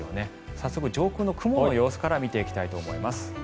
早速上空の雲の様子から見ていきたいと思います。